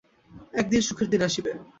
এক দিন সুখের দিন আসিবে।